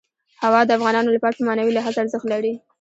هوا د افغانانو لپاره په معنوي لحاظ ارزښت لري.